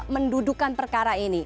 mendudukan perkara ini